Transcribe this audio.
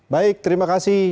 baik terima kasih